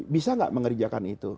bisa gak mengerjakan itu